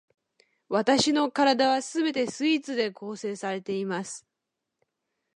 わたしの身体は全てスイーツで構成されています